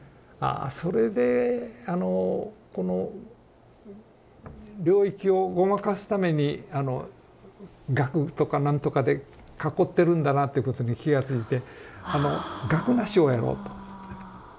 それでこの領域をごまかすために額とかなんとかで囲ってるんだなっていうことに気が付いて額なしをやろうと。